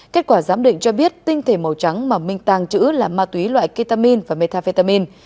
kết quả giám định cho biết tinh thể màu trắng mà minh tàng chữ là ma túy loại ketamine và metafetamine